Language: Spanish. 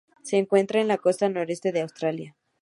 Se encuentra en la costa noreste de Australia.